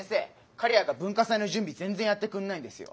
かりやが文化祭の準備全然やってくんないんですよ。